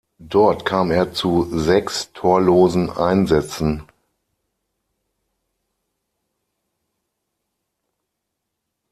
Dort kam er zu sechs torlosen Einsätzen.